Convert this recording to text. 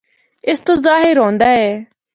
اس تو ظاہر ہوندا اے۔